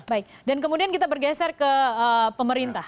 baik dan kemudian kita bergeser ke pemerintah